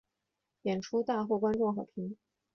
演出大获观众好评。